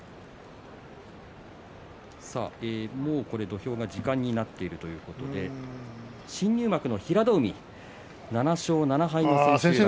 土俵が時間になっているということで新入幕の平戸海７勝７敗の成績です。